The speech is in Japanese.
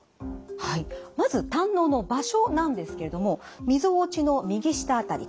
はいまず胆のうの場所なんですけれどもみぞおちの右下辺り